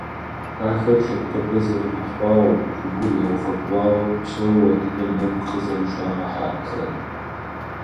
Ахэр лъэпкъыбэ зэрыгъэхъуауэ, щӀыгур яуфэбгъуауэ псэууэт я нэгу къызэрыщӀагъэхьэр.